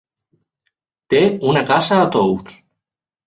Té una casa a Tous.